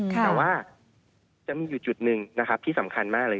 แต่ว่าจะมีจุดหนึ่งที่สำคัญมากเลย